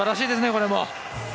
これも。